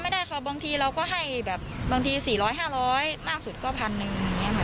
แต่ก็คือให้อยู่ทุกครั้ง